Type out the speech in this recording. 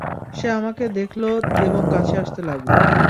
সে আমাকে দেখলো এবং কাছে আসতে লাগলো।